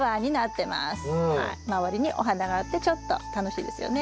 周りにお花があってちょっと楽しいですよね。